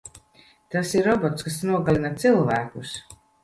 Tas ir robots, kas nogalina cilvēkus.